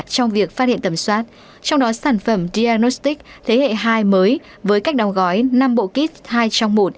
trong việc phát hiện tầm soát trong đó sản phẩm dyanostic thế hệ hai mới với cách đóng gói năm bộ kit hai trong một